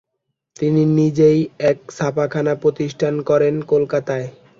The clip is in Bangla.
তিনি নিজেই এক ছাপাখানা প্রতিষ্ঠা করেন কলকাতায়।